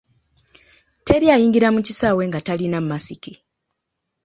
Teri ayingira mu kisaawe nga talina masiki.